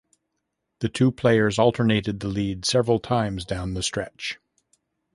The two players alternated the lead several times down the stretch.